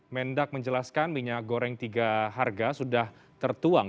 mendak menjelaskan minyak goreng tiga harga sudah tertuang